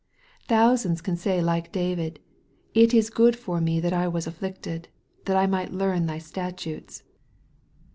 Thousands can say like David, " It is good for me that I was afflicted, that I might learn thy statutes."